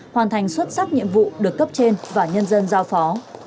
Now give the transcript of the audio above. hoàn thành xuất sắc nhiệm vụ được cấp trên và nhân dân giao phó